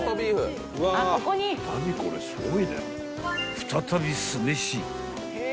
［再び酢飯］